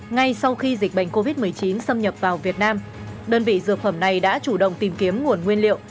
ngay sau khi dịch bệnh covid một mươi chín xâm nhập vào việt nam đơn vị dược phẩm này đã chủ động tìm kiếm nguồn nguyên liệu